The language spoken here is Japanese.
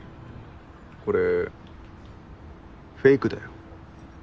これフェイクだよ。